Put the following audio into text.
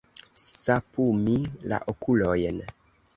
Sapumi la okulojn.